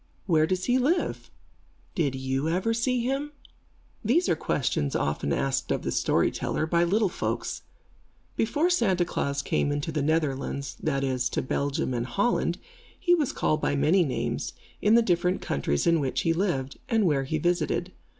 Where does he live? Did you ever see him? These are questions, often asked of the storyteller, by little folks. Before Santa Klaas came into the Netherlands, that is, to Belgium and Holland, he was called by many names, in the different countries in which he lived, and where he visited.